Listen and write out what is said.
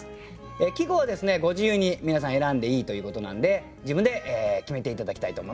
季語はですねご自由に皆さん選んでいいということなんで自分で決めて頂きたいと思います。